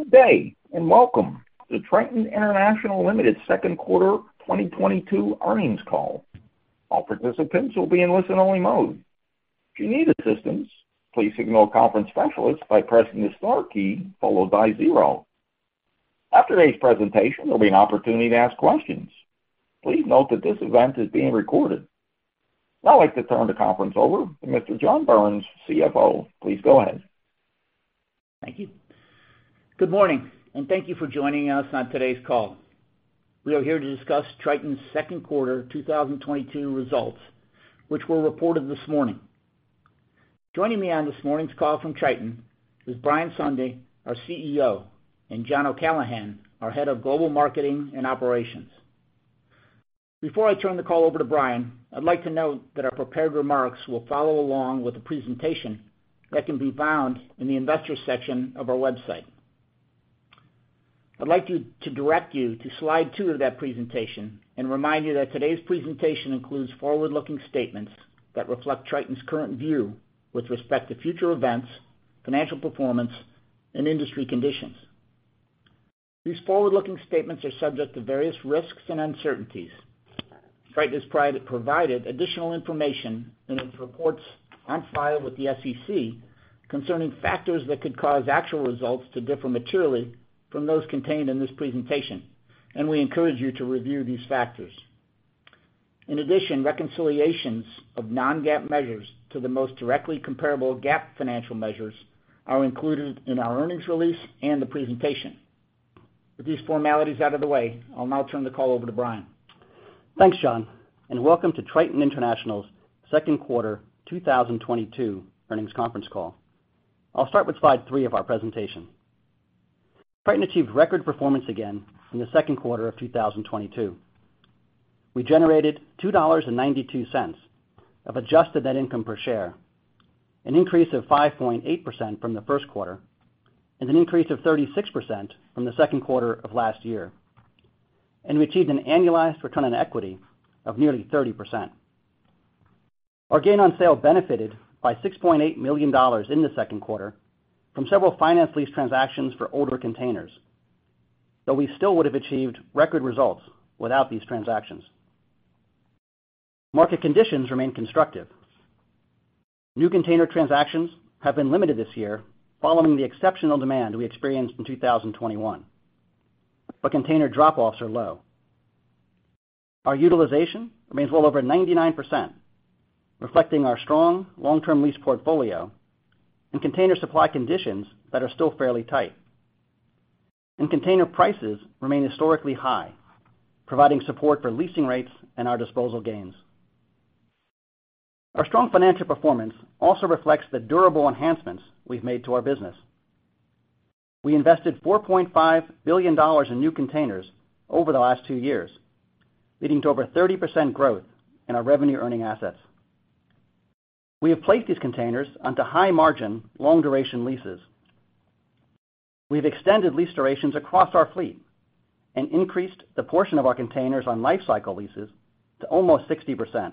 Good day, and welcome to Triton International Limited second quarter 2022 earnings call. All participants will be in listen only mode. If you need assistance, please signal a conference specialist by pressing the star key followed by zero. After today's presentation, there'll be an opportunity to ask questions. Please note that this event is being recorded. Now I'd like to turn the conference over to Mr. John Burns, CFO. Please go ahead. Thank you. Good morning, and thank you for joining us on today's call. We are here to discuss Triton's second quarter 2022 results, which were reported this morning. Joining me on this morning's call from Triton is Brian Sondey, our CEO, and John O'Callaghan, our Head of Global Marketing and Operations. Before I turn the call over to Brian, I'd like to note that our prepared remarks will follow along with the presentation that can be found in the investors section of our website. I'd like to direct you to slide two of that presentation and remind you that today's presentation includes forward-looking statements that reflect Triton's current view with respect to future events, financial performance, and industry conditions. These forward-looking statements are subject to various risks and uncertainties. Triton has provided additional information in its reports on file with the SEC concerning factors that could cause actual results to differ materially from those contained in this presentation, and we encourage you to review these factors. In addition, reconciliations of Non-GAAP measures to the most directly comparable GAAP financial measures are included in our earnings release and the presentation. With these formalities out of the way, I'll now turn the call over to Brian. Thanks, John, and welcome to Triton International's second quarter 2022 earnings conference call. I'll start with slide three of our presentation. Triton achieved record performance again in the second quarter of 2022. We generated $2.92 of adjusted net income per share, an increase of 5.8% from the first quarter and an increase of 36% from the second quarter of last year. We achieved an annualized return on equity of nearly 30%. Our gain on sale benefited by $6.8 million in the second quarter from several finance lease transactions for older containers, though we still would have achieved record results without these transactions. Market conditions remain constructive. New container transactions have been limited this year following the exceptional demand we experienced in 2021, but container drop-offs are low. Our utilization remains well over 99%, reflecting our strong long-term lease portfolio and container supply conditions that are still fairly tight. Container prices remain historically high, providing support for leasing rates and our disposal gains. Our strong financial performance also reflects the durable enhancements we've made to our business. We invested $4.5 billion in new containers over the last 2 years, leading to over 30% growth in our revenue-earning assets. We have placed these containers onto high-margin, long-duration leases. We've extended lease durations across our fleet and increased the portion of our containers on lifecycle leases to almost 60%.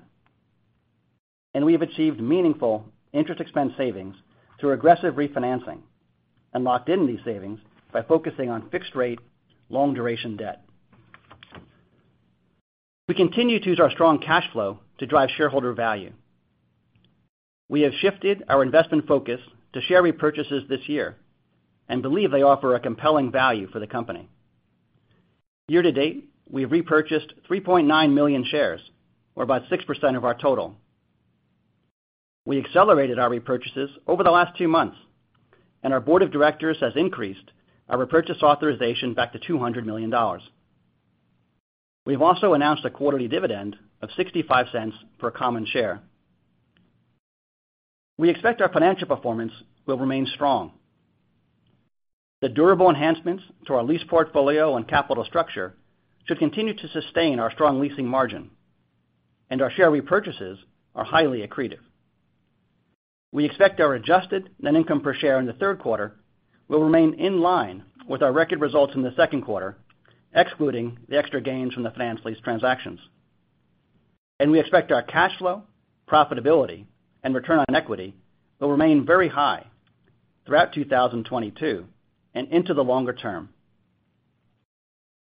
We have achieved meaningful interest expense savings through aggressive refinancing and locked in these savings by focusing on fixed-rate, long-duration debt. We continue to use our strong cash flow to drive shareholder value. We have shifted our investment focus to share repurchases this year and believe they offer a compelling value for the company. Year to date, we have repurchased 3.9 million shares, or about 6% of our total. We accelerated our repurchases over the last two months, and our board of directors has increased our repurchase authorization back to $200 million. We've also announced a quarterly dividend of $0.65 per common share. We expect our financial performance will remain strong. The durable enhancements to our lease portfolio and capital structure should continue to sustain our strong leasing margin, and our share repurchases are highly accretive. We expect our adjusted net income per share in the third quarter will remain in line with our record results in the second quarter, excluding the extra gains from the finance lease transactions. We expect our cash flow, profitability, and return on equity will remain very high throughout 2022 and into the longer term.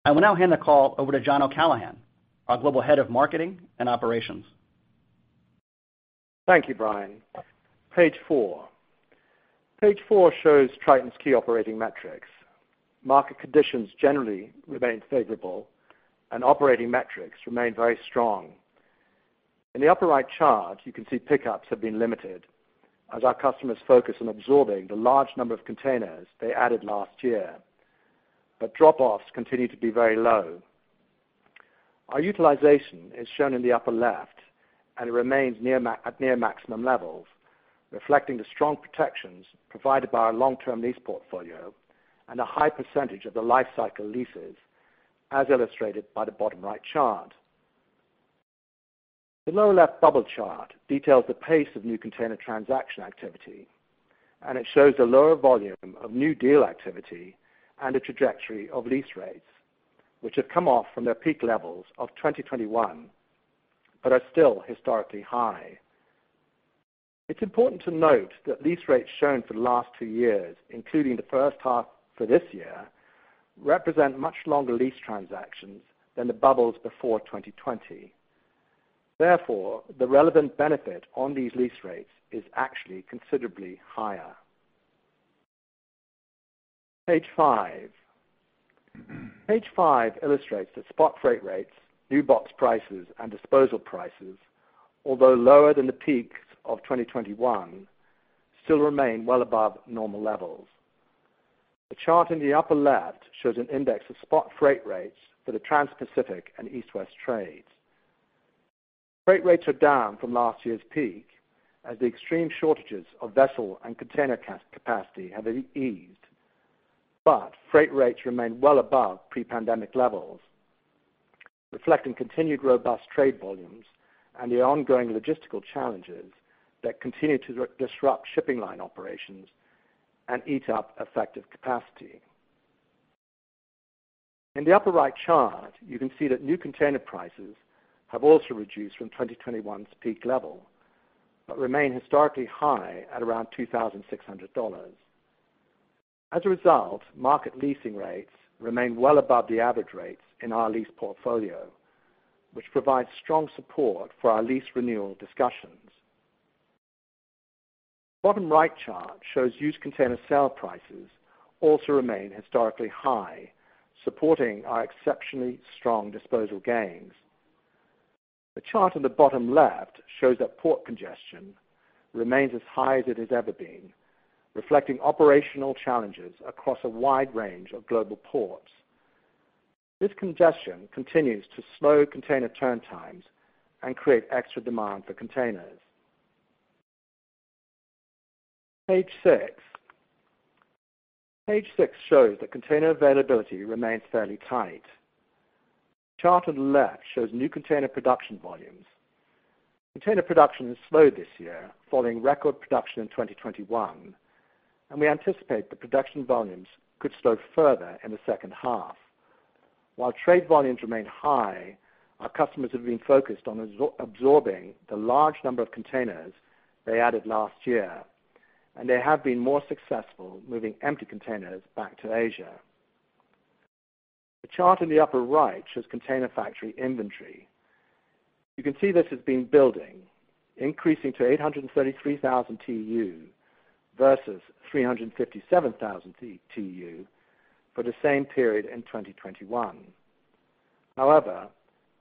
I will now hand the call over to John O'Callaghan, our Global Head of Marketing and Operations. Thank you, Brian. Page four. Page four shows Triton's key operating metrics. Market conditions generally remain favorable, and operating metrics remain very strong. In the upper right chart, you can see pickups have been limited as our customers focus on absorbing the large number of containers they added last year, but drop-offs continue to be very low. Our utilization is shown in the upper left, and it remains at near maximum levels, reflecting the strong protections provided by our long-term lease portfolio and a high percentage of the lifecycle leases, as illustrated by the bottom right chart. The lower left bubble chart details the pace of new container transaction activity, and it shows the lower volume of new deal activity and the trajectory of lease rates, which have come off from their peak levels of 2021, but are still historically high. It's important to note that lease rates shown for the last two years, including the first half for this year, represent much longer lease transactions than the bubbles before 2020. Therefore, the relevant benefit on these lease rates is actually considerably higher. Page five. Page five illustrates that spot freight rates, new box prices, and disposal prices, although lower than the peaks of 2021, still remain well above normal levels. The chart in the upper left shows an index of spot freight rates for the Trans-Pacific and East-West trades. Freight rates are down from last year's peak as the extreme shortages of vessel and container capacity have eased, but freight rates remain well above pre-pandemic levels, reflecting continued robust trade volumes and the ongoing logistical challenges that continue to disrupt shipping line operations and eat up effective capacity. In the upper right chart, you can see that new container prices have also reduced from 2021's peak level, but remain historically high at around $2,600. As a result, market leasing rates remain well above the average rates in our lease portfolio, which provides strong support for our lease renewal discussions. Bottom right chart shows used container sale prices also remain historically high, supporting our exceptionally strong disposal gains. The chart on the bottom left shows that port congestion remains as high as it has ever been, reflecting operational challenges across a wide range of global ports. This congestion continues to slow container turn times and create extra demand for containers. Page six. Page six shows that container availability remains fairly tight. Chart on the left shows new container production volumes. Container production has slowed this year following record production in 2021, and we anticipate the production volumes could slow further in the second half. While trade volumes remain high, our customers have been focused on absorbing the large number of containers they added last year, and they have been more successful moving empty containers back to Asia. The chart in the upper right shows container factory inventory. You can see this has been building, increasing to 833,000 TEU vs. 357,000 TEU for the same period in 2021. However,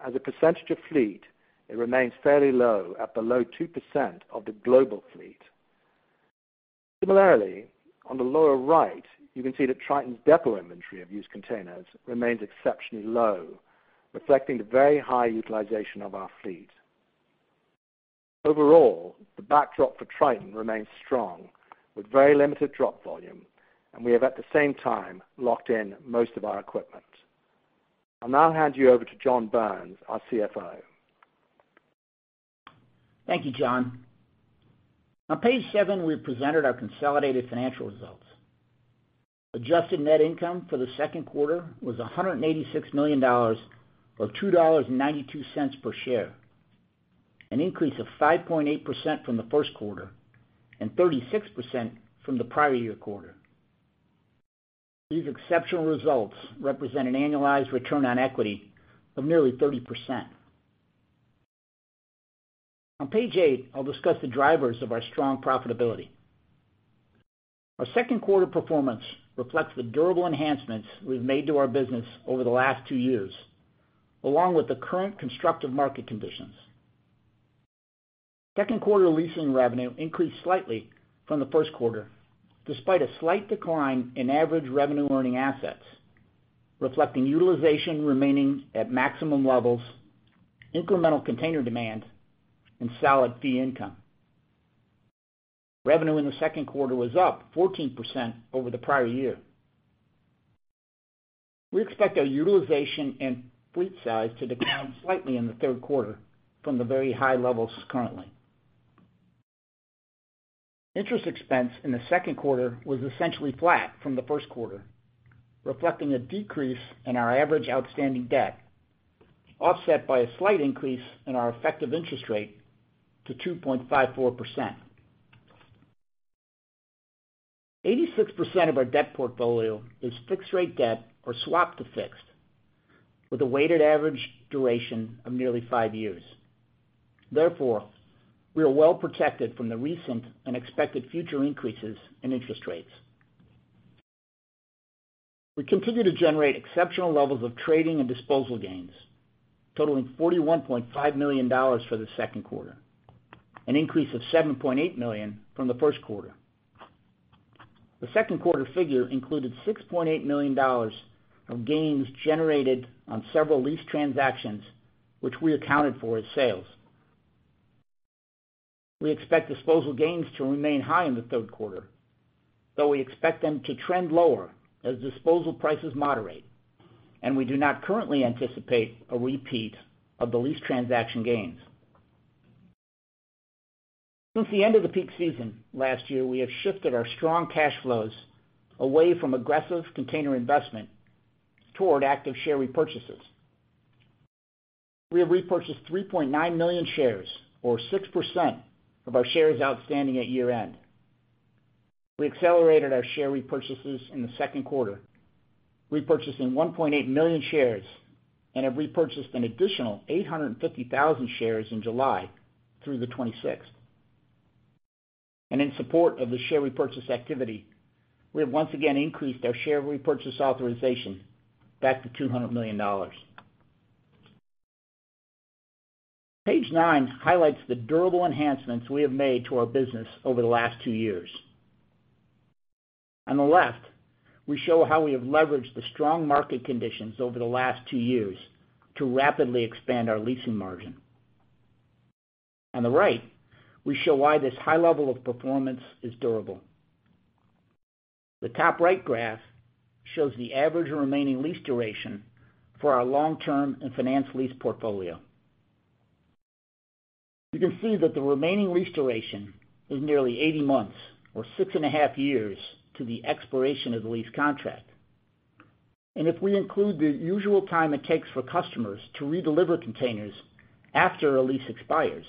as a percentage of fleet, it remains fairly low at below 2% of the global fleet. Similarly, on the lower right, you can see that Triton's depot inventory of used containers remains exceptionally low, reflecting the very high utilization of our fleet. Overall, the backdrop for Triton remains strong with very limited drop volume, and we have at the same time locked in most of our equipment. I'll now hand you over to John Burns, our CFO. Thank you, John. On page seven, we presented our consolidated financial results. Adjusted net income for the second quarter was $186 million, or $2.92 per share, an increase of 5.8% from the first quarter and 36% from the prior year quarter. These exceptional results represent an annualized return on equity of nearly 30%. On page eight, I'll discuss the drivers of our strong profitability. Our second quarter performance reflects the durable enhancements we've made to our business over the last two years, along with the current constructive market conditions. Second quarter leasing revenue increased slightly from the first quarter, despite a slight decline in average revenue-earning assets, reflecting utilization remaining at maximum levels, incremental container demand, and solid fee income. Revenue in the second quarter was up 14% over the prior year. We expect our utilization and fleet size to decline slightly in the third quarter from the very high levels currently. Interest expense in the second quarter was essentially flat from the first quarter, reflecting a decrease in our average outstanding debt, offset by a slight increase in our effective interest rate to 2.54%. 86% of our debt portfolio is fixed-rate debt or swapped to fixed with a weighted average duration of nearly five years. Therefore, we are well protected from the recent and expected future increases in interest rates. We continue to generate exceptional levels of trading and disposal gains, totaling $41.5 million for the second quarter, an increase of $7.8 million from the first quarter. The second quarter figure included $6.8 million of gains generated on several lease transactions which we accounted for as sales. We expect disposal gains to remain high in the third quarter, though we expect them to trend lower as disposal prices moderate, and we do not currently anticipate a repeat of the lease transaction gains. Since the end of the peak season last year, we have shifted our strong cash flows away from aggressive container investment toward active share repurchases. We have repurchased 3.9 million shares or 6% of our shares outstanding at year-end. We accelerated our share repurchases in the second quarter, repurchasing 1.8 million shares, and have repurchased an additional 850,000 shares in July through the twenty-sixth. In support of the share repurchase activity, we have once again increased our share repurchase authorization back to $200 million. Page nine highlights the durable enhancements we have made to our business over the last two years. On the left, we show how we have leveraged the strong market conditions over the last 2 years to rapidly expand our leasing margin. On the right, we show why this high level of performance is durable. The top right graph shows the average remaining lease duration for our long-term and finance lease portfolio. You can see that the remaining lease duration is nearly 80 months or 6.5 years to the expiration of the lease contract. If we include the usual time it takes for customers to redeliver containers after a lease expires,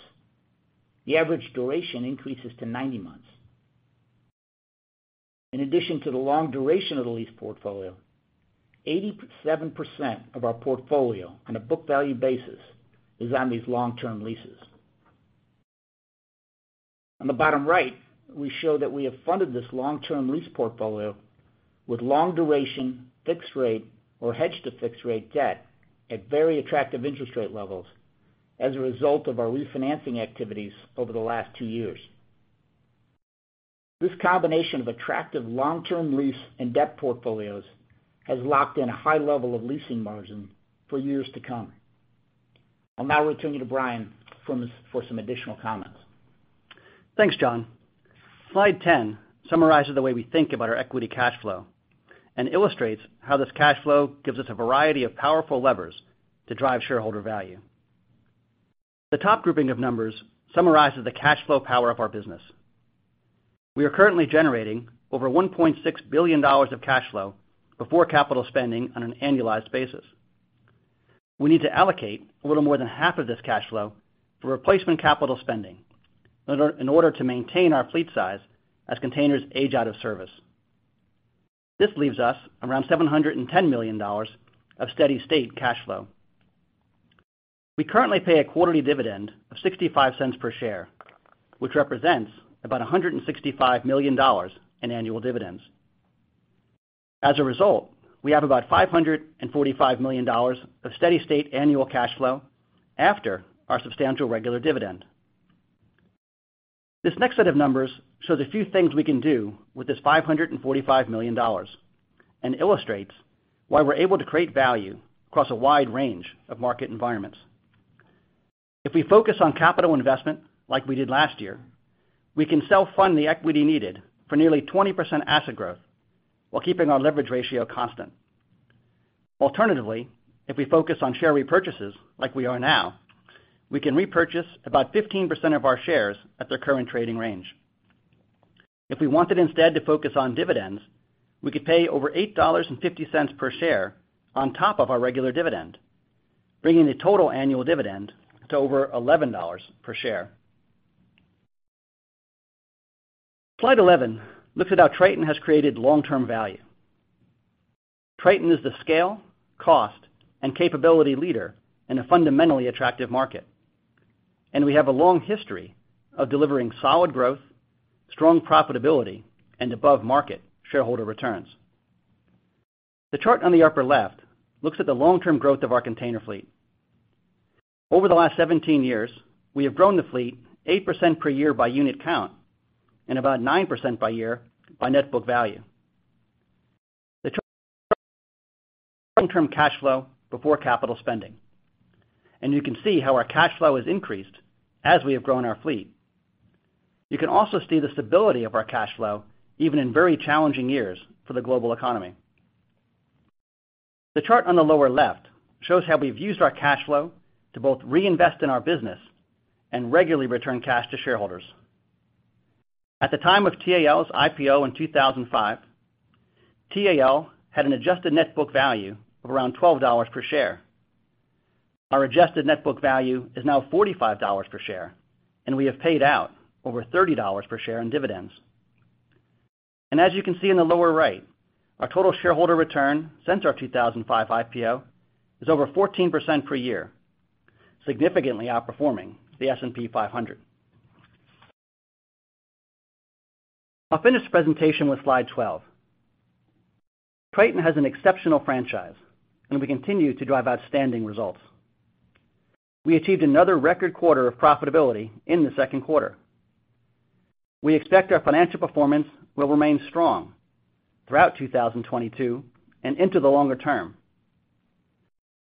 the average duration increases to 90 months. In addition to the long duration of the lease portfolio, 87% of our portfolio on a book value basis is on these long-term leases. On the bottom right, we show that we have funded this long-term lease portfolio with long duration, fixed-rate or hedged to fixed-rate debt at very attractive interest rate levels as a result of our refinancing activities over the last two years. This combination of attractive long-term lease and debt portfolios has locked in a high level of leasing margin for years to come. I'll now return you to Brian Sondey for some additional comments. Thanks, John. Slide 10 summarizes the way we think about our equity cash flow and illustrates how this cash flow gives us a variety of powerful levers to drive shareholder value. The top grouping of numbers summarizes the cash flow power of our business. We are currently generating over $1.6 billion of cash flow before capital spending on an annualized basis. We need to allocate a little more than half of this cash flow for replacement capital spending in order to maintain our fleet size as containers age out of service. This leaves us around $710 million of steady state cash flow. We currently pay a quarterly dividend of $0.65 per share, which represents about $165 million in annual dividends. As a result, we have about $545 million of steady-state annual cash flow after our substantial regular dividend. This next set of numbers shows a few things we can do with this $545 million and illustrates why we're able to create value across a wide range of market environments. If we focus on capital investment like we did last year, we can self-fund the equity needed for nearly 20% asset growth while keeping our leverage ratio constant. Alternatively, if we focus on share repurchases like we are now, we can repurchase about 15% of our shares at their current trading range. If we wanted instead to focus on dividends, we could pay over $8.50 per share on top of our regular dividend, bringing the total annual dividend to over $11 per share. Slide 11 looks at how Triton has created long-term value. Triton is the scale, cost, and capability leader in a fundamentally attractive market, and we have a long history of delivering solid growth, strong profitability, and above market shareholder returns. The chart on the upper left looks at the long-term growth of our container fleet. Over the last 17 years, we have grown the fleet 8% per year by unit count and about 9% per year by net book value. The long-term cash flow before capital spending, and you can see how our cash flow has increased as we have grown our fleet. You can also see the stability of our cash flow even in very challenging years for the global economy. The chart on the lower left shows how we've used our cash flow to both reinvest in our business and regularly return cash to shareholders. At the time of TAL's IPO in 2005, TAL had an adjusted net book value of around $12 per share. Our adjusted net book value is now $45 per share, and we have paid out over $30 per share in dividends. As you can see in the lower right, our total shareholder return since our 2005 IPO is over 14% per year, significantly outperforming the S&P 500. I'll finish the presentation with slide 12. Triton has an exceptional franchise, and we continue to drive outstanding results. We achieved another record quarter of profitability in the second quarter. We expect our financial performance will remain strong throughout 2022 and into the longer term.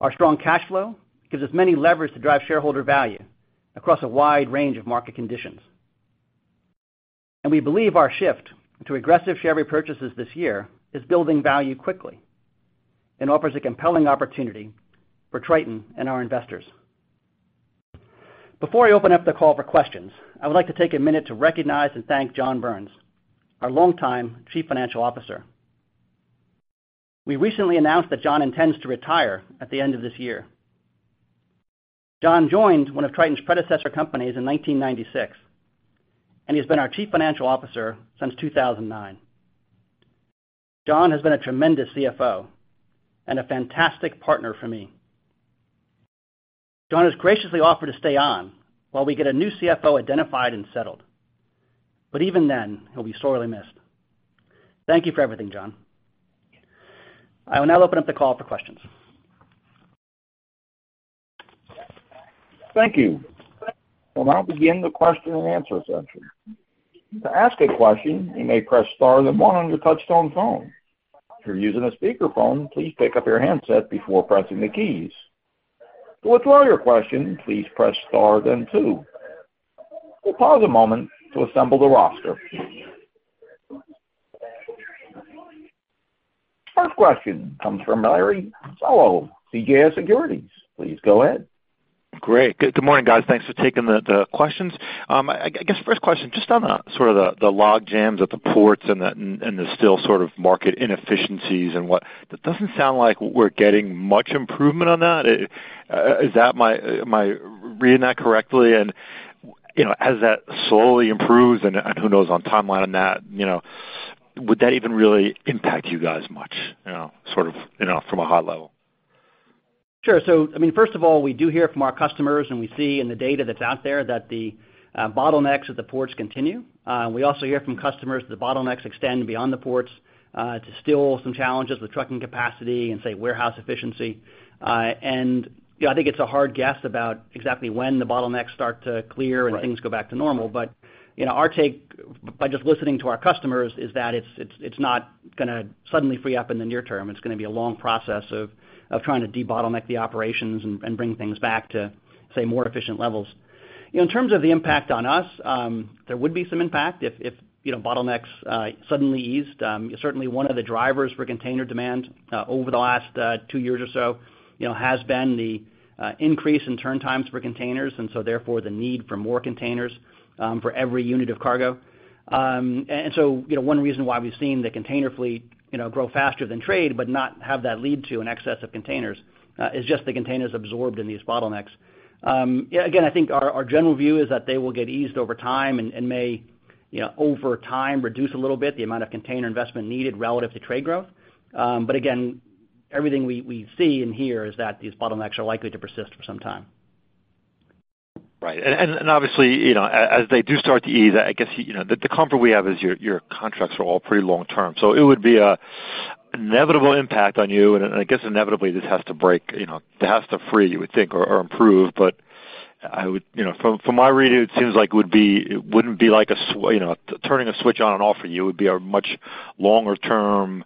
Our strong cash flow gives us many levers to drive shareholder value across a wide range of market conditions. We believe our shift to aggressive share repurchases this year is building value quickly and offers a compelling opportunity for Triton and our investors. Before I open up the call for questions, I would like to take a minute to recognize and thank John Burns, our longtime Chief Financial Officer. We recently announced that John intends to retire at the end of this year. John joined one of Triton's predecessor companies in 1996, and he's been our Chief Financial Officer since 2009. John has been a tremendous CFO and a fantastic partner for me. John has graciously offered to stay on while we get a new CFO identified and settled, but even then he'll be sorely missed. Thank you for everything, John. I will now open up the call for questions. Thank you. We'll now begin the question and answer session. To ask a question, you may press star then one on your touchtone phone. If you're using a speakerphone, please pick up your handset before pressing the keys. To withdraw your question, please press star then two. We'll pause a moment to assemble the roster. First question comes from Larry Solow, CJS Securities. Please go ahead. Great. Good morning, guys. Thanks for taking the questions. I guess first question just on the sort of log jams at the ports and the still sort of market inefficiencies and whatnot. It doesn't sound like we're getting much improvement on that. Is that right? Am I reading that correctly? You know, as that slowly improves and who knows on timeline on that, you know, would that even really impact you guys much, you know, sort of, you know, from a high level? Sure. I mean, first of all, we do hear from our customers, and we see in the data that's out there that the bottlenecks at the ports continue. We also hear from customers the bottlenecks extend beyond the ports to still some challenges with trucking capacity and, say, warehouse efficiency. You know, I think it's a hard guess about exactly when the bottlenecks start to clear and things go back to normal. Our take by just listening to our customers is that it's not gonna suddenly free up in the near term. It's gonna be a long process of trying to debottleneck the operations and bring things back to, say, more efficient levels. You know, in terms of the impact on us, there would be some impact if, you know, bottlenecks suddenly eased. Certainly one of the drivers for container demand over the last two years or so, you know, has been the increase in turn times for containers, and so therefore the need for more containers for every unit of cargo. One reason why we've seen the container fleet, you know, grow faster than trade but not have that lead to an excess of containers is just the containers absorbed in these bottlenecks. Again, I think our general view is that they will get eased over time and may, you know, over time reduce a little bit the amount of container investment needed relative to trade growth. Again, everything we see and hear is that these bottlenecks are likely to persist for some time. Right. Obviously, you know, as they do start to ease, I guess, you know, the comfort we have is your contracts are all pretty long-term. It would be an inevitable impact on you, and I guess inevitably this has to break, you know, it has to free, you would think, or improve. I would. You know, from my reading, it seems like it wouldn't be like turning a switch on and off for you. It would be a much longer-term,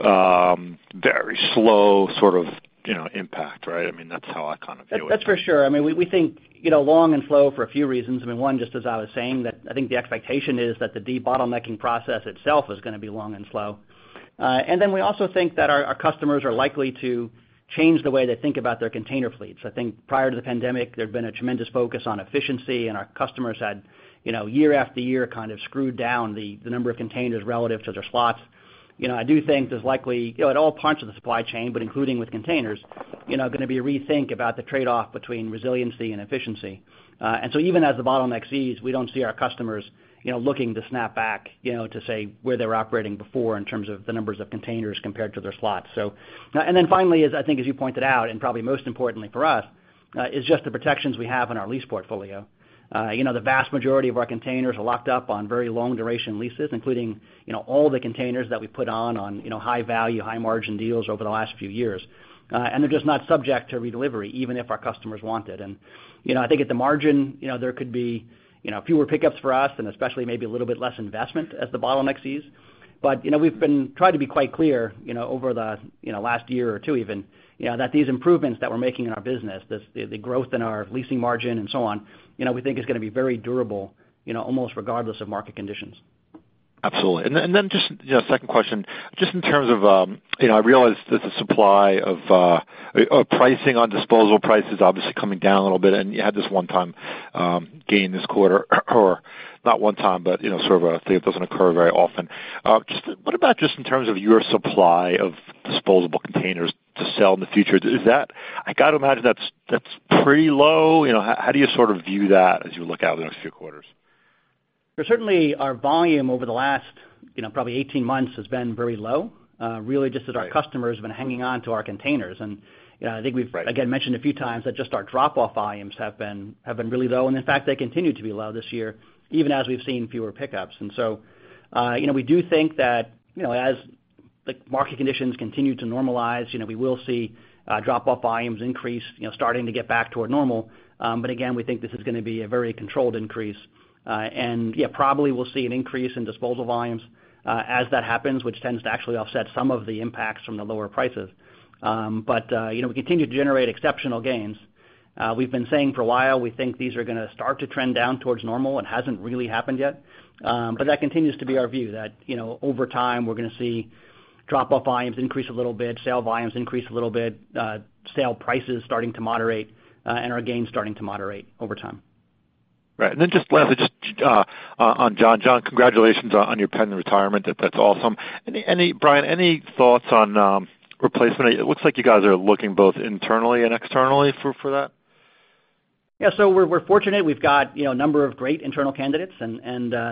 very slow sort of, you know, impact, right? I mean, that's how I kind of view it. That's for sure. I mean, we think, you know, long and slow for a few reasons. I mean, one, just as I was saying, that I think the expectation is that the debottlenecking process itself is gonna be long and slow. We also think that our customers are likely to change the way they think about their container fleets. I think prior to the pandemic, there'd been a tremendous focus on efficiency, and our customers had, you know, year after year, kind of screwed down the number of containers relative to their slots. You know, I do think there's likely, you know, at all parts of the supply chain, but including with containers, you know, gonna be a rethink about the trade-off between resiliency and efficiency. Even as the bottleneck eases, we don't see our customers, you know, looking to snap back, you know, to see where they were operating before in terms of the numbers of containers compared to their slots. Finally, as I think as you pointed out, and probably most importantly for us, is just the protections we have in our lease portfolio. You know, the vast majority of our containers are locked up on very long duration leases, including, you know, all the containers that we put on, you know, high value, high margin deals over the last few years. They're just not subject to redelivery, even if our customers want it. You know, I think at the margin, you know, there could be, you know, fewer pickups for us and especially maybe a little bit less investment as the bottleneck ceases. You know, we've been trying to be quite clear, you know, over the, you know, last year or two even, you know, that these improvements that we're making in our business, the growth in our leasing margin and so on, you know, we think is gonna be very durable, you know, almost regardless of market conditions. Absolutely. Then just, you know, second question, just in terms of, you know, I realize that the supply of, or pricing on disposal price is obviously coming down a little bit, and you had this one time, gain this quarter, or not one time, but you know, sort of a thing that doesn't occur very often. Just what about just in terms of your supply of disposable containers to sell in the future? Is that? I gotta imagine that's pretty low. You know, how do you sort of view that as you look out in the next few quarters? Certainly our volume over the last, you know, probably 18 months has been very low, really just as our customers have been hanging on to our containers. You know, I think we've, again, mentioned a few times that just our drop-off volumes have been really low, and in fact, they continue to be low this year, even as we've seen fewer pickups. You know, we do think that, you know, as the market conditions continue to normalize, you know, we will see drop-off volumes increase, you know, starting to get back toward normal. But again, we think this is gonna be a very controlled increase, and yeah, probably we'll see an increase in disposal volumes, as that happens, which tends to actually offset some of the impacts from the lower prices. You know, we continue to generate exceptional gains. We've been saying for a while, we think these are gonna start to trend down towards normal. It hasn't really happened yet. That continues to be our view that, you know, over time, we're gonna see drop-off volumes increase a little bit, sale volumes increase a little bit, sale prices starting to moderate, and our gains starting to moderate over time. Right. Just lastly, just, on John. John, congratulations on your pending retirement. That's awesome. Brian, any thoughts on replacement? It looks like you guys are looking both internally and externally for that. Yeah. We're fortunate we've got you know a number of great internal candidates and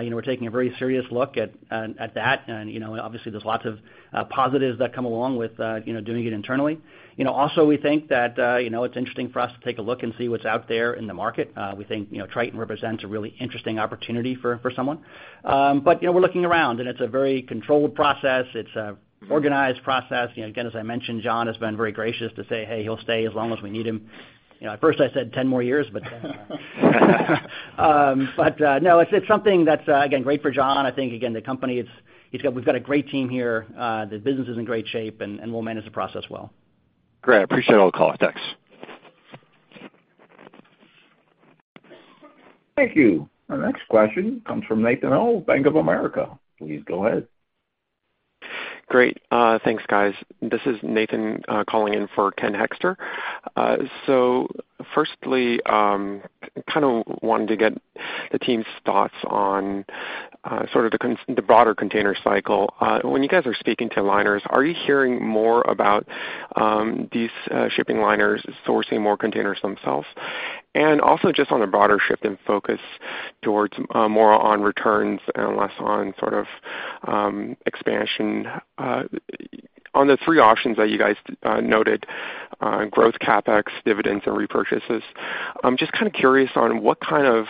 you know we're taking a very serious look at that. You know obviously there's lots of positives that come along with you know doing it internally. You know also we think that you know it's interesting for us to take a look and see what's out there in the market. We think you know Triton represents a really interesting opportunity for someone. You know we're looking around and it's a very controlled process, it's a organized process. You know again as I mentioned John has been very gracious to say hey he'll stay as long as we need him. You know at first I said 10 more years, but no, it's something that's again great for John. I think, again, we've got a great team here. The business is in great shape, and we'll manage the process well. Great. I appreciate all the calls. Thanks. Thank you. Our next question comes from Nathaniel Rowe, Bank of America. Please go ahead. Great. Thanks, guys. This is Nathaniel calling in for Ken Hoexter. Firstly, kind of wanted to get the team's thoughts on sort of the broader container cycle. When you guys are speaking to liners, are you hearing more about these shipping liners sourcing more containers themselves? Also just on a broader shift in focus towards more on returns and less on sort of expansion. On the three options that you guys noted, growth CapEx, dividends, and repurchases, I'm just kind of curious on what kind of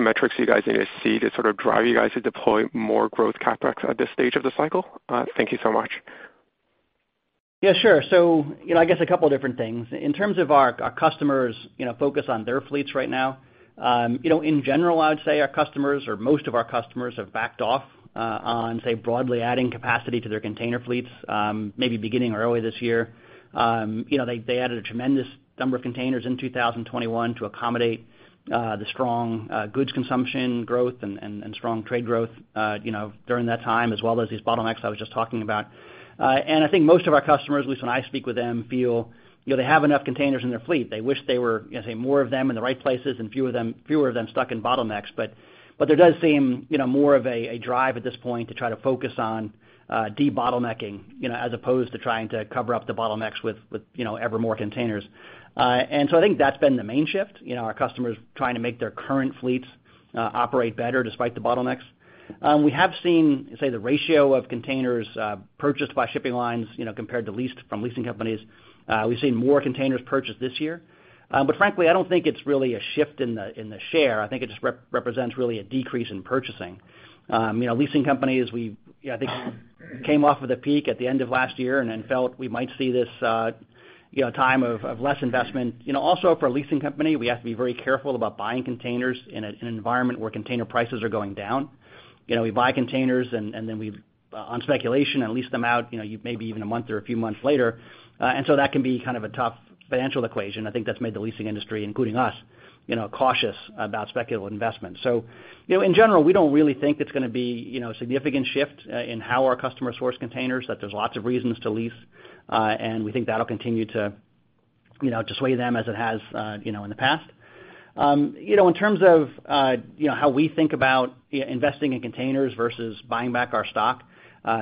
metrics are you guys gonna see to sort of drive you guys to deploy more growth CapEx at this stage of the cycle? Thank you so much. Yeah, sure. You know, I guess a couple different things. In terms of our customers, you know, focus on their fleets right now, you know, in general, I would say our customers or most of our customers have backed off on, say, broadly adding capacity to their container fleets, maybe beginning or early this year. You know, they added a tremendous number of containers in 2021 to accommodate the strong goods consumption growth and strong trade growth, you know, during that time, as well as these bottlenecks I was just talking about. I think most of our customers, at least when I speak with them, feel, you know, they have enough containers in their fleet. They wish they were, you know, say, more of them in the right places and fewer of them stuck in bottlenecks. There does seem, you know, more of a drive at this point to try to focus on de-bottlenecking, you know, as opposed to trying to cover up the bottlenecks with, you know, ever more containers. I think that's been the main shift, you know, our customers trying to make their current fleets operate better despite the bottlenecks. We have seen, say, the ratio of containers purchased by shipping lines, you know, compared to leased from leasing companies. We've seen more containers purchased this year. Frankly, I don't think it's really a shift in the share. I think it just represents really a decrease in purchasing. You know, leasing companies, we, you know, I think came off of the peak at the end of last year and then felt we might see this, you know, time of less investment. You know, also for a leasing company, we have to be very careful about buying containers in an environment where container prices are going down. You know, we buy containers and then on speculation and lease them out, you know, maybe even a month or a few months later. That can be kind of a tough financial equation. I think that's made the leasing industry, including us, you know, cautious about speculative investment. You know, in general, we don't really think it's gonna be, you know, a significant shift in how our customers source containers, that there's lots of reasons to lease, and we think that'll continue to, you know, to sway them as it has, you know, in the past. You know, in terms of, you know, how we think about investing in containers versus buying back our stock,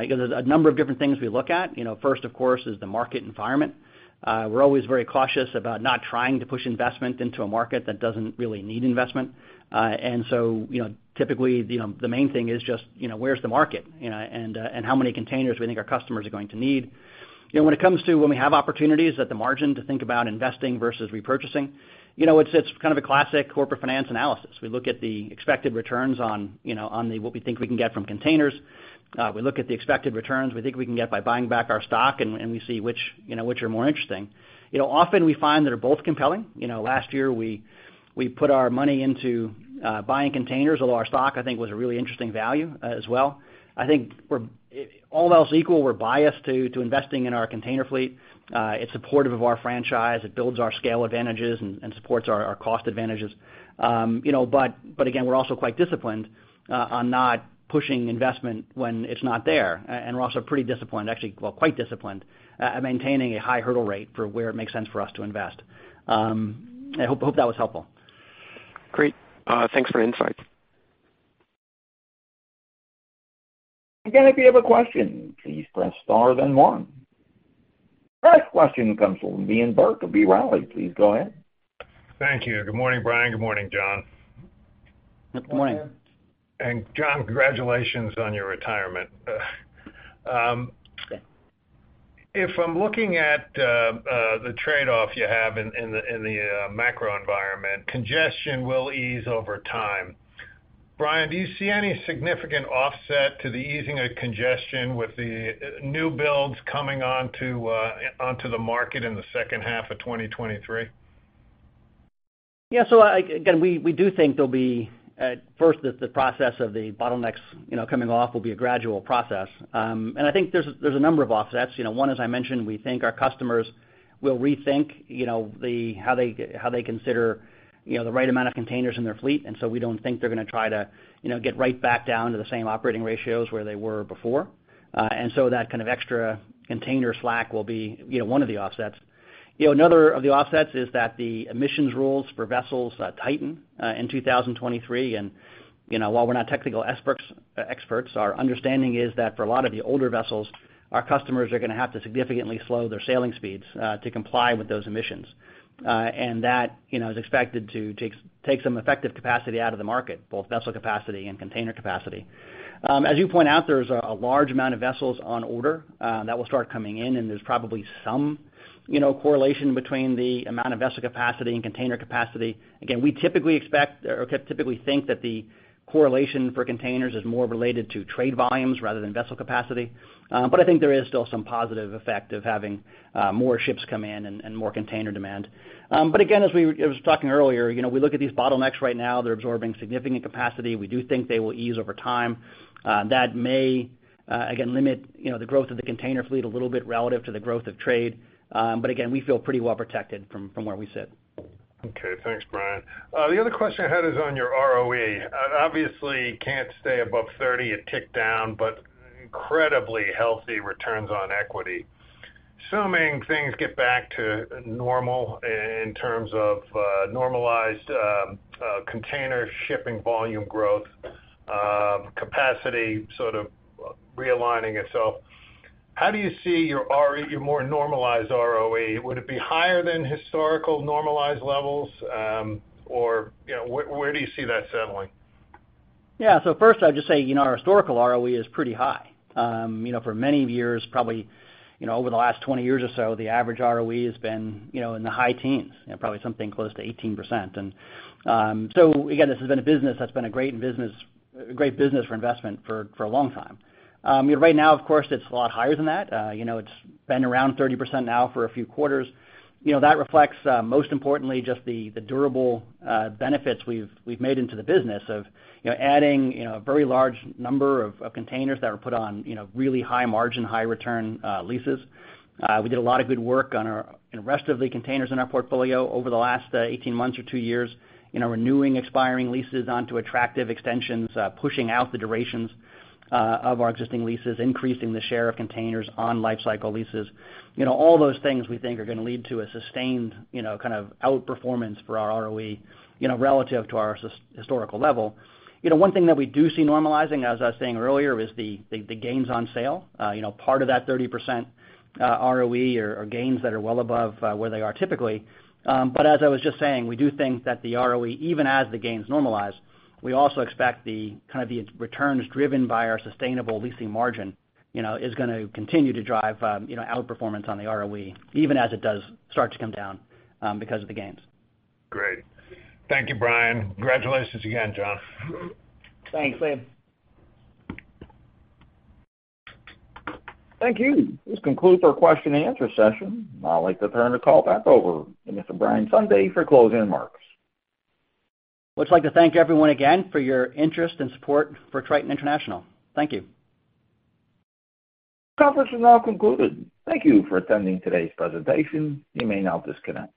you know, there's a number of different things we look at. You know, first, of course, is the market environment. We're always very cautious about not trying to push investment into a market that doesn't really need investment. You know, typically, the main thing is just, you know, where's the market, you know, and how many containers we think our customers are going to need. You know, when it comes to when we have opportunities at the margin to think about investing versus repurchasing, you know, it's kind of a classic corporate finance analysis. We look at the expected returns on, you know, what we think we can get from containers. We look at the expected returns we think we can get by buying back our stock, and we see which, you know, which are more interesting. You know, often we find that are both compelling. You know, last year we put our money into buying containers, although our stock, I think, was a really interesting value, as well. I think we're, all else equal, we're biased to investing in our container fleet. It's supportive of our franchise. It builds our scale advantages and supports our cost advantages. You know, but again, we're also quite disciplined on not pushing investment when it's not there. We're also pretty disciplined, actually, well, quite disciplined at maintaining a high hurdle rate for where it makes sense for us to invest. I hope that was helpful. Great. Thanks for the insights. Again, if you have a question, please press star then one. Our next question comes from Ian Zaffino of B. Riley. Please go ahead. Thank you. Good morning, Brian. Good morning, John. Good morning. John, congratulations on your retirement. If I'm looking at the trade-off you have in the macro environment, congestion will ease over time. Brian, do you see any significant offset to the easing of congestion with the new builds coming onto the market in the second half of 2023? Yeah. We, again, do think there'll be first the process of the bottlenecks, you know, coming off will be a gradual process. I think there's a number of offsets. You know, one, as I mentioned, we think our customers will rethink, you know, the how they consider, you know, the right amount of containers in their fleet. We don't think they're gonna try to, you know, get right back down to the same operating ratios where they were before. That kind of extra container slack will be, you know, one of the offsets. You know, another of the offsets is that the emissions rules for vessels tighten in 2023. You know, while we're not technical experts, our understanding is that for a lot of the older vessels, our customers are gonna have to significantly slow their sailing speeds to comply with those emissions. That, you know, is expected to take some effective capacity out of the market, both vessel capacity and container capacity. As you point out, there's a large amount of vessels on order that will start coming in, and there's probably some, you know, correlation between the amount of vessel capacity and container capacity. Again, we typically expect or typically think that the correlation for containers is more related to trade volumes rather than vessel capacity. I think there is still some positive effect of having more ships come in and more container demand. Again, as I was talking earlier, you know, we look at these bottlenecks right now, they're absorbing significant capacity. We do think they will ease over time. That may again limit, you know, the growth of the container fleet a little bit relative to the growth of trade. Again, we feel pretty well protected from where we sit. Okay. Thanks, Brian. The other question I had is on your ROE. Obviously, you can't stay above 30%, it ticked down, but incredibly healthy returns on equity. Assuming things get back to normal in terms of normalized container shipping volume growth, capacity sort of realigning itself, how do you see your ROE, your more normalized ROE? Would it be higher than historical normalized levels? You know, where do you see that settling? Yeah. First, I'd just say, you know, our historical ROE is pretty high. You know, for many years, probably, you know, over the last 20 years or so, the average ROE has been, you know, in the high teens, you know, probably something close to 18%. This has been a business that's been a great business for investment for a long time. You know, right now, of course, it's a lot higher than that. You know, it's been around 30% now for a few quarters. You know, that reflects most importantly just the durable benefits we've made into the business of, you know, adding, you know, a very large number of containers that were put on, you know, really high margin, high return leases. We did a lot of good work on our in-rest containers in our portfolio over the last 18 months or two years, you know, renewing expiring leases into attractive extensions, pushing out the durations of our existing leases, increasing the share of containers on lifecycle leases. You know, all those things we think are gonna lead to a sustained, you know, kind of outperformance for our ROE, you know, relative to our historical level. You know, one thing that we do see normalizing, as I was saying earlier, is the gains on sale. You know, part of that 30% ROE are gains that are well above where they are typically. As I was just saying, we do think that the ROE, even as the gains normalize, we also expect the kind of returns driven by our sustainable leasing margin, you know, is gonna continue to drive, you know, outperformance on the ROE, even as it does start to come down, because of the gains. Great. Thank you, Brian. Congratulations again, John. Thanks, Ian Zaffino. Thank you. This concludes our question and answer session. I'd like to turn the call back over to Mr. Brian Sondey for closing remarks. Would just like to thank everyone again for your interest and support for Triton International. Thank you. Conference is now concluded. Thank you for attending today's presentation. You may now disconnect.